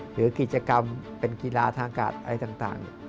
หรือกิจกรรมเป็นกีฬาทางการอะไรต่าง